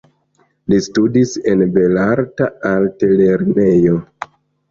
Li studis en Belarta Altlernejo.